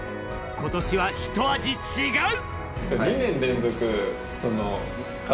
今年はひと味違う